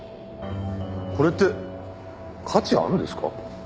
これって価値あるんですか？